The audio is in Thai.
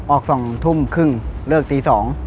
ออก๒ทุ่มครึ่งเลิกตี๒